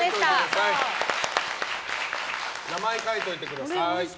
名前書いておいてください。